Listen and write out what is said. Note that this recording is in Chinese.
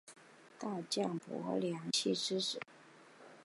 大将柏良器之子。